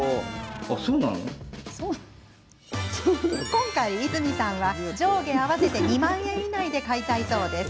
今回、和泉さんは上下合わせて２万円以内で買いたいそうです。